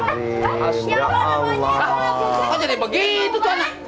jangan jejen bukan mau mondel mondel